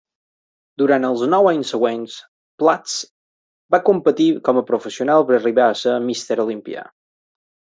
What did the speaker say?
Durant els nou anys següents Platz va competir com a professional per arribar a ser Mr. Olympia.